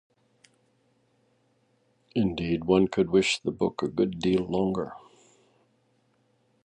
Indeed, one could wish the book a good deal longer.